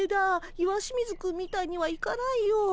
石清水くんみたいにはいかないよ。